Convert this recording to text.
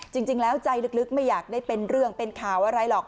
จริงแล้วใจลึกไม่อยากได้เป็นเรื่องเป็นข่าวอะไรหรอก